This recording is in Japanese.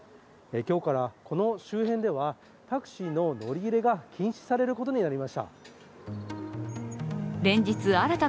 今日から、この周辺ではタクシーの乗り入れが禁止されることになりました。